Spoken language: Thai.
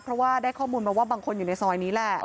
เพราะว่าได้ข้อมูลมาว่าบางคนอยู่ในซอยนี้แหละ